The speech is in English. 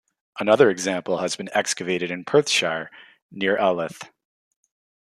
Another example has been excavated in Perthshire near Alyth.